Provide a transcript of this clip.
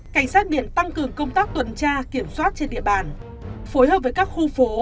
cảnh sát biển tăng cường công tác tuần tra kiểm soát trên địa bàn phối hợp với các khu phố